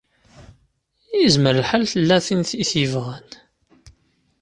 Izmer lḥal tella tin i t-yebɣan.